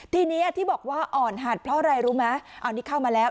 ทีนี้ที่บอกว่าอ่อนหัดเพราะอะไรรู้ไหมเอานี่เข้ามาแล้ว